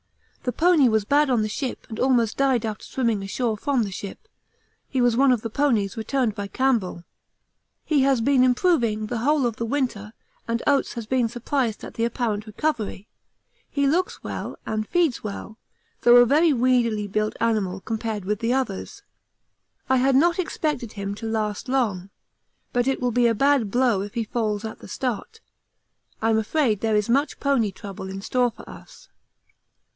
The pony was bad on the ship and almost died after swimming ashore from the ship he was one of the ponies returned by Campbell. He has been improving the whole of the winter and Oates has been surprised at the apparent recovery; he looks well and feeds well, though a very weedily built animal compared with the others. I had not expected him to last long, but it will be a bad blow if he fails at the start. I'm afraid there is much pony trouble in store for us.